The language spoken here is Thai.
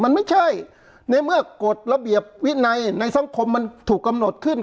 มันไม่ใช่ในเมื่อกฎระเบียบวินัยในสังคมมันถูกกำหนดขึ้น